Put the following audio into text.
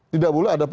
tidak boleh ada